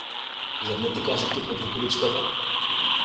Зар не ти кажа типот во количката?